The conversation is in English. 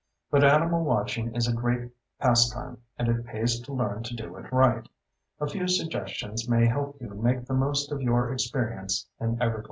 But animal watching is a great pastime, and it pays to learn to do it right. A few suggestions may help you make the most of your experience in Everglades.